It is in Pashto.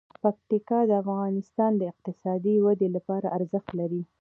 پکتیکا د افغانستان د اقتصادي ودې لپاره ارزښت لري.